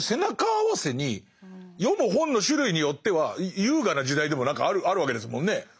あわせに読む本の種類によっては優雅な時代でも何かあるわけですもんね。